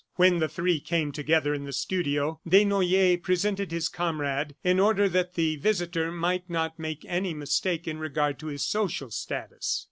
When the three came together in the studio, Desnoyers presented his comrade, in order that the visitor might not make any mistake in regard to his social status.